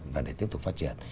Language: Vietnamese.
và để tiếp tục phát triển